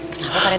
kenapa pak rt